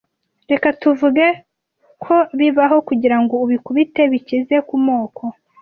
Reka tuvuge ko bibaho kugirango ubikubite bikize kumoko.